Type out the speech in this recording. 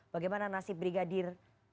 bagaimana nasib brigadir